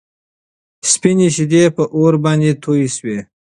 سپينې شيدې په اور باندې توی شوې.